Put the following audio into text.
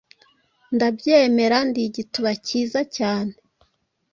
Ndabyemera, Ndi igituba cyiza cyane